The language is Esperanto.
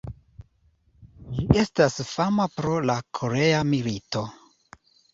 Ĝi estas fama pro la korea milito.